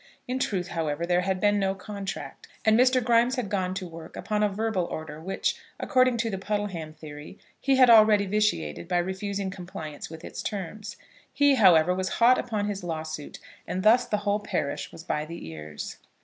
In truth, however, there had been no contract, and Mr. Grimes had gone to work upon a verbal order which, according to the Puddleham theory, he had already vitiated by refusing compliance with its terms. He, however, was hot upon his lawsuit, and thus the whole parish was by the ears.